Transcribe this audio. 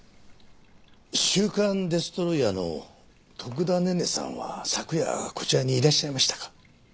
『週間デストロイヤー』の徳田寧々さんは昨夜こちらにいらっしゃいましたか？